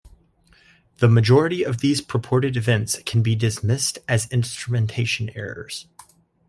The majority of these purported events can be dismissed as instrumentation errors.